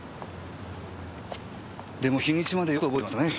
でも日にちまでよく覚えてましたね。